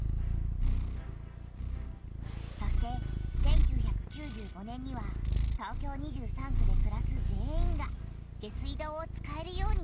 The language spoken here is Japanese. そして１９９５年には東京２３区でくらす全員が下水道を使えるようになった。